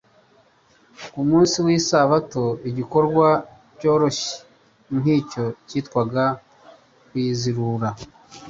Ku munsi w'isabato, igikorwa cyoroshye nk'icyo cyitwaga kuyizirura.